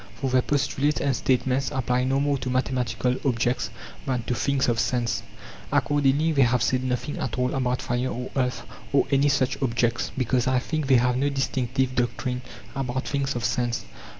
For their postulates and statements apply no more to mathematical objects than to things of sense; accord ingly they have said nothing at all about fire or earth or any such objects, because I think they have no dis tinctive doctrine about things of sense.